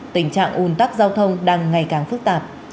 tình trạng ủn tắc giao thông đang ngày càng phức tạp